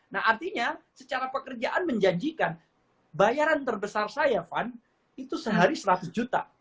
nah artinya secara pekerjaan menjanjikan bayaran terbesar saya fun itu sehari seratus juta